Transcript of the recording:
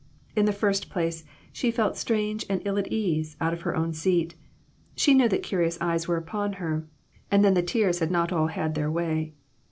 In the first place, she felt strange and ill at ease out of her own seat ; she knew that curious eyes were upon her, and then the tears had not all had their way.